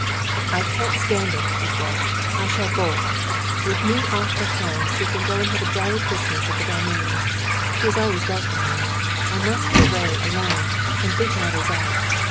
"I can't stand it," he said. "I shall bolt! With me off her hands, she can go and have a jolly Christmas at the Dalmains. She is always welcome there. I must get away alone and think matters out.